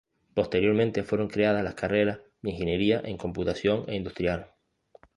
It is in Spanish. Posteriormente fueron creadas las carreras de Ingeniería en Computación e Industrial.